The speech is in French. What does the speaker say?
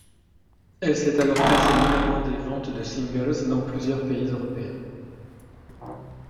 Elle s'est alors classée numéro un des ventes de singles dans plusieurs pays européens.